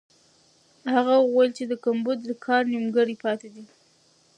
هغه وویل چې د ګمبد کار نیمګړی پاتې دی.